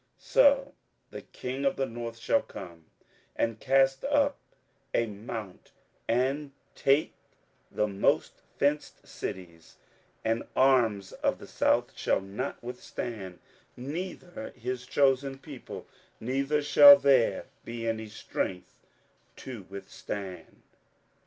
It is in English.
27:011:015 So the king of the north shall come, and cast up a mount, and take the most fenced cities: and the arms of the south shall not withstand, neither his chosen people, neither shall there be any strength to withstand.